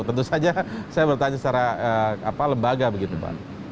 tentu saja saya bertanya secara lembaga begitu pak